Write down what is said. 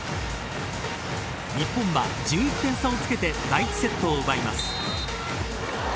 日本は、１１点差をつけて第１セットを奪います。